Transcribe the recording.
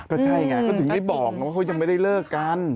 ก็ใช่ไงก็ถึงได้บอกไงว่าเขายังไม่ได้เลิกกัน